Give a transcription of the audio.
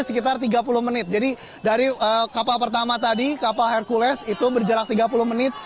sekitar tiga puluh menit jadi dari kapal pertama tadi kapal hercules itu berjarak tiga puluh menit